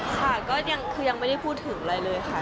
ค่ะก็คือยังไม่ได้พูดถึงอะไรเลยค่ะ